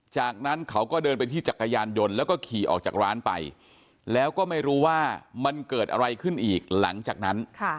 จากนั้นเขาก็เดินไปที่จักรยานยนต์แล้วก็ขี่ออกจากร้านไปแล้วก็ไม่รู้ว่ามันเกิดอะไรขึ้นอีกหลังจากนั้น